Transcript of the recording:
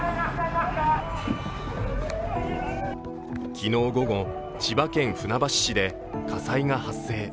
昨日午後、千葉県船橋市で火災が発生。